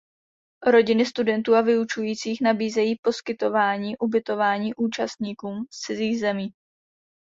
Rodiny studentů a vyučujících nabízejí poskytování ubytování účastníkům z cizích zemí.